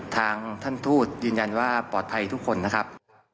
ทางท่านทูตยืนยันว่าปลอดภัยทุกคนนะครับ